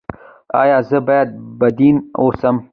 ایا زه باید بدبین اوسم؟